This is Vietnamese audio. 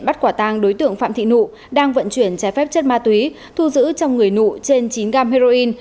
bắt quả tang đối tượng phạm thị nụ đang vận chuyển trái phép chất ma túy thu giữ trong người nụ trên chín g heroin